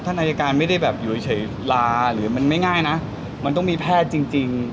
อายการไม่ได้แบบอยู่เฉยลาหรือมันไม่ง่ายนะมันต้องมีแพทย์จริง